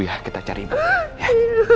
nanti ketuanya kembali